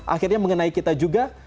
akhirnya mengenai kita juga